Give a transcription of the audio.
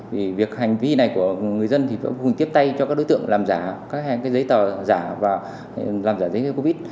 vì việc hành vi này của người dân thì vẫn tiếp tay cho các đối tượng làm giả các giấy tờ giả và làm giả giấy covid